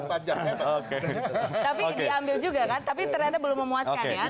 tapi diambil juga kan tapi ternyata belum memuaskan ya